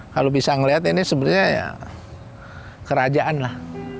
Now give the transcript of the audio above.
kalau bisa melihat ini sebenarnya ya kerajaan lah